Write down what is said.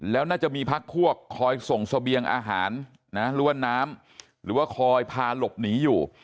แล้วน่าจะมีพักพวกคอยส่งเสบียงอาหารนะหรือว่าน้ำหรือว่าคอยพาหลบหนีอยู่